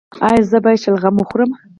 ایا زه باید شلغم وخورم؟